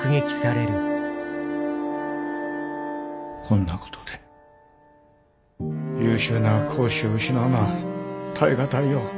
こんなことで優秀な講師を失うのは耐え難いよ。